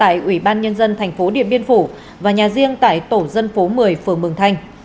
của nhân dân tp điện biên phủ và nhà riêng tại tổ dân phố một mươi phường mường thành